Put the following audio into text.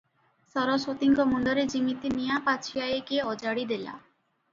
ସରସ୍ୱତୀଙ୍କ ମୁଣ୍ଡରେ ଯିମିତି ନିଆଁ ପାଛିଆଏ କିଏ ଅଜାଡ଼ି ଦେଲା ।